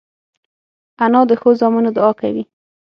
انا د ښو زامنو دعا کوي